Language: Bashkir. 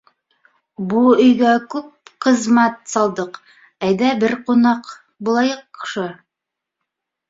— Бу өйгә күп ҡызмәт салдыҡ, әйдә бер ҡунаҡ булайыҡшы.